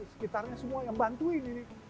sekitarnya semua yang bantuin ini